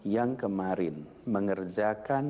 yang kemarin mengerjakan